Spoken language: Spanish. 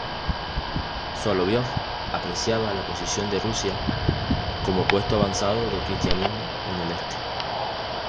Soloviov apreciaba la posición de Rusia como puesto avanzado del cristianismo en el Este.